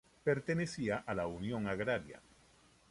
Pertenecía a la unión agraria.